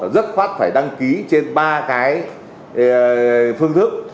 rất phát phải đăng ký trên ba phương thức